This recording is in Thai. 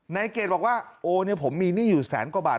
เกรดบอกว่าโอ้เนี่ยผมมีหนี้อยู่แสนกว่าบาท